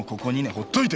ほっといて！